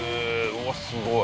うわっすごい！